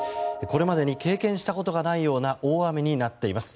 これまでに経験したことがないような大雨になっています。